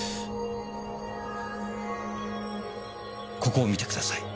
ここを見てください。